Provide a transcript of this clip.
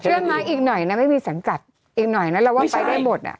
เชื่อไหมอีกหน่อยนะไม่มีสังกัดอีกหน่อยนะเราว่าไปได้หมดอ่ะ